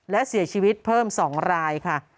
และเสียชีวิตเพิ่ม๒รายค่ะ